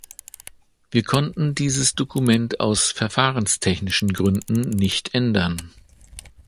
Wir konnten dieses Dokument aus verfahrenstechnischen Gründen nicht ändern.